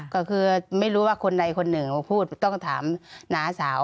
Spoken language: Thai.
ก็คือไม่รู้ว่าคนใดคนหนึ่งมาพูดต้องถามน้าสาว